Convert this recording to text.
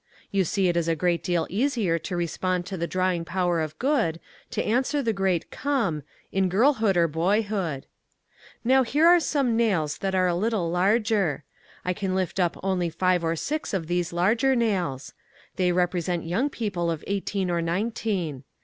You see it is a great deal easier to respond to the drawing power of good, to answer the great "Come," in girlhood and boyhood. Now here are some nails that are a little larger. I can lift up only five or six of these larger nails. They represent young people of eighteen or nineteen.